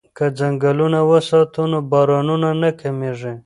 که ځنګلونه وساتو نو بارانونه نه کمیږي.